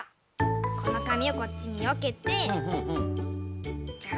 このかみをこっちによけてじゃあ